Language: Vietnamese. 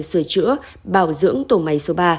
sửa chữa bảo dưỡng tổ máy số ba